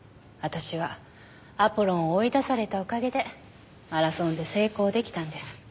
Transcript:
私はアポロンを追い出されたおかげでマラソンで成功出来たんです。